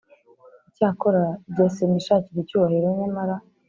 Icyakora jye sinishakira icyubahiro nyamara